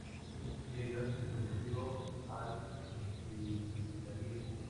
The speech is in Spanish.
Eliot se convirtió al anglicanismo.